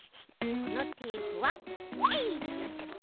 このテープはえいっ！ととっちゃって。